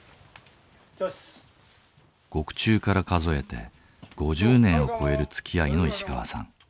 獄中から数えて５０年を超えるつきあいの石川さん。